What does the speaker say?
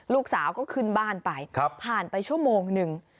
ลูกสาวก็ขึ้นบ้านไปผ่านไปชั่วโมงหนึ่ง